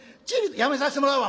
「やめさしてもらうわ。